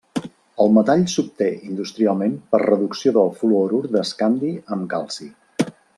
El metall s'obté industrialment per reducció del fluorur d'escandi amb calci.